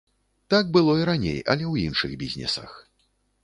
Так было і раней, але ў іншых бізнесах.